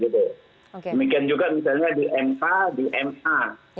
demikian juga misalnya di mk di ma